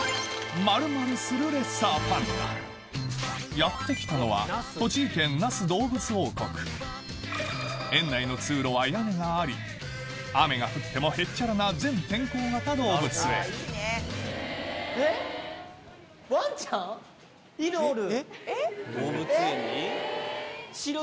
やって来たのは園内の通路は屋根があり雨が降ってもへっちゃらな犬おる！